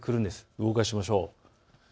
動かしましょう。